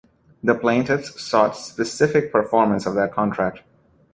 The plaintiffs sought specific performance of that contract.